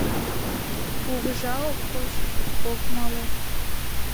Кугыжа ок коч, ок мале.